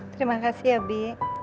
terima kasih ya bi